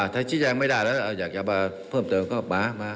ถ้าชี้แจงไม่ได้แล้วอยากจะมาเพิ่มเติมก็มา